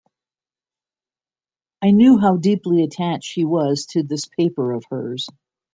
I knew how deeply attached she was to this paper of hers.